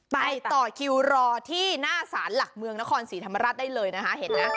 ไปต่อคิวรอที่หน้าสารหลักเมืองนครศรีธรรมราชได้เลยนะคะเห็นไหม